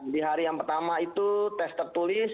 di hari yang pertama itu tes tertulis